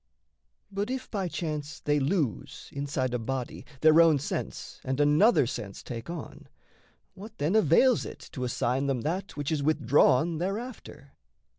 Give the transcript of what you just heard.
But if by chance they lose, inside a body, Their own sense and another sense take on, What, then, avails it to assign them that Which is withdrawn thereafter?